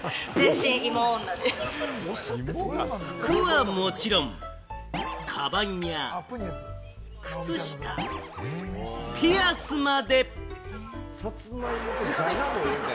服はもちろん、カバンや靴下、ピアスまで。